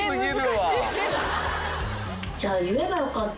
じゃあ言えばよかった